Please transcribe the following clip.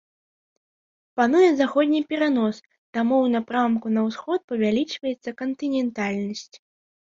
Пануе заходні перанос, таму ў напрамку на ўсход павялічваецца кантынентальнасць.